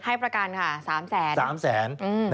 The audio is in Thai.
ให้ประกันค่ะสามแสน